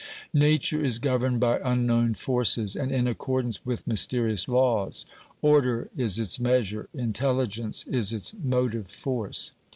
Nature is governed by unknown forces and in accord ance with mysterious laws ; order is its measure, intelligence is its motive force.